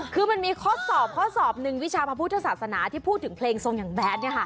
คือมันมีข้อสอบข้อสอบหนึ่งวิชาพระพุทธศาสนาที่พูดถึงเพลงทรงอย่างแดด